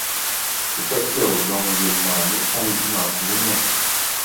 Gefedgew loŋ weel ma ni pan bi ma kluu no.